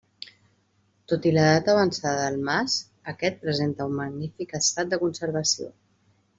Tot i l'edat avançada del mas, aquest presenta un magnífic estat de conservació.